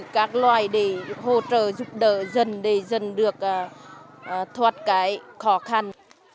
các loài để hỗ trợ giúp đỡ dân để dân được thoát cái khó khăn